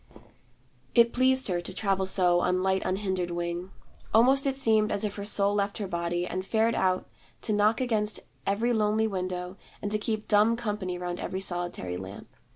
It pleased her, to travel so on light unhindered wing. Almost it seemed as if her soul left her body, and fared out to knock against every lonely window and to keep dumb company round every solitary lamp.